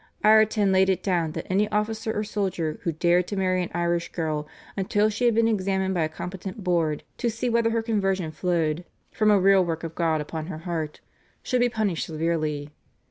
Ireton laid it down that any officer or soldier who dared to marry an Irish girl until she had been examined by a competent board to see whether her conversion flowed "from a real work of God upon her heart," should be punished severely.